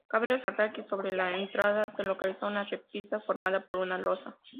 Cabe resaltar que sobre la entrada se localiza una repisa formada por una losa.